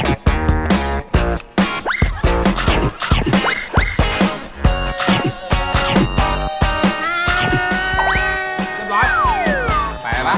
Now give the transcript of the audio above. แล้วไปอะไรบ้าง